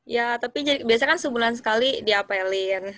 ya tapi biasanya kan sebulan sekali diapelin